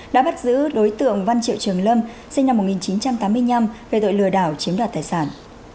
đã bắt giữ đối tượng văn triệu trường lâm sinh năm một nghìn chín trăm tám mươi năm về tội lừa đảo chiếm đoạt tài sản